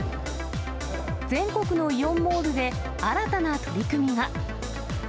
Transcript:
全国のイオンモールで、新たな取り組みが。